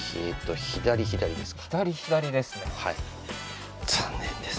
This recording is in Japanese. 左左ですね。